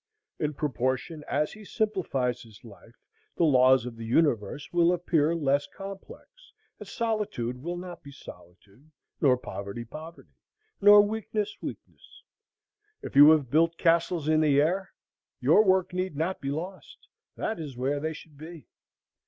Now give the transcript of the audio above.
In proportion as he simplifies his life, the laws of the universe will appear less complex, and solitude will not be solitude, nor poverty poverty, nor weakness weakness. If you have built castles in the air, your work need not be lost; that is where they should be.